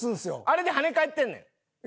あれで跳ね返ってるねん。